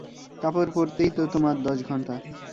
কাপড় পরতেই তো তোমার দশ ঘণ্টা।